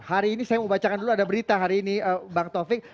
hari ini saya mau bacakan dulu ada berita hari ini bang taufik